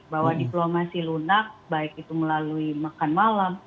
bahwa diplomasi lunak baik itu melalui makan malam